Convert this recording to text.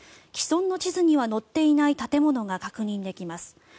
既存の地図には載っていない建物が確認できます。